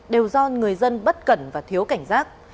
đều do người dân bất cẩn và thiếu cảnh giác